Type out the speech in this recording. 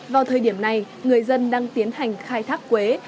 vào thời điểm này người dân đang tiến hành khai thác quế